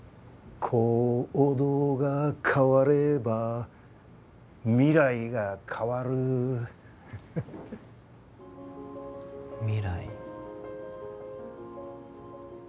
「行動が変われば未来が変わる」未来。